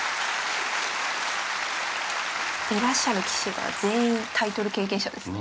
いらっしゃる棋士が全員タイトル経験者ですね。